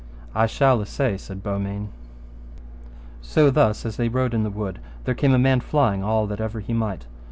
I shall assay, said Beaumains. So thus as they rode in the wood, there came a man flying all that ever he might.